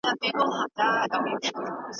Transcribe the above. منظم حرکت فشار کموي.